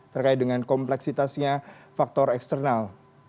terkait dengan kompleksitasnya faktor eksternal